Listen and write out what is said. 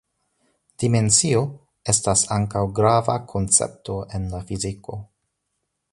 Dimensio estas ankaŭ grava koncepto en la fiziko.